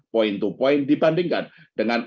point to point dibandingkan dengan